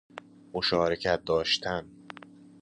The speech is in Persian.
مشارکت داشتن